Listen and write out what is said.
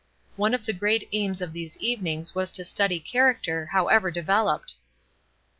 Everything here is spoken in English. One of the great aims of these evenings was to study character, however developed.